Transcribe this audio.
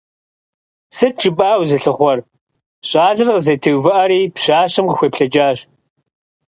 Сыт жыпӀа узылъыхъуэр? – щӀалэр къызэтеувыӀэри, пщащэм къыхуеплъэкӀащ.